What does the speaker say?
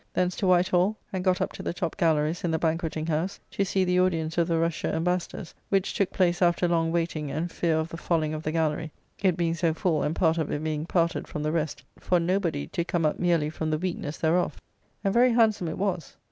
Thence to White Hall, and got up to the top gallerys in the Banquetting House, to see the audience of the Russia Embassadors; which [took place] after long waiting and fear of the falling of the gallery (it being so full, and part of it being parted from the rest, for nobody to come up merely from the weakness thereof): and very handsome it was.